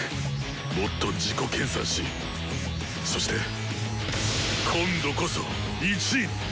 もっと自己研さんしそして今度こそ１位に！